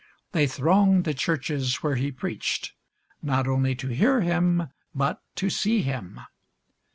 They thronged the churches where he preached, not only to hear him but to see him.